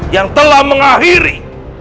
yang telah mengakhiri